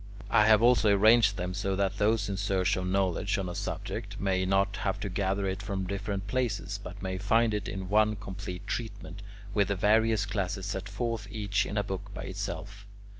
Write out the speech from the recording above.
I have also arranged them so that those in search of knowledge on a subject may not have to gather it from different places, but may find it in one complete treatment, with the various classes set forth each in a book by itself.